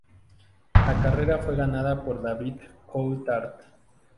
La carrera fue ganada por David Coulthard.